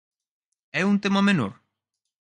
¿É un tema menor?